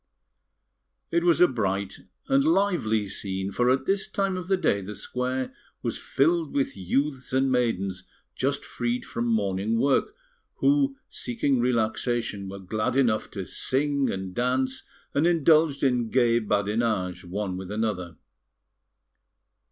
It was a bright and lively scene, for at this time of the day the square was filled with youths and maidens just freed from morning work, who, seeking relaxation, were glad enough to sing and dance, and indulged in gay badinage one with another.